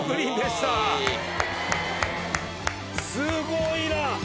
すごいな！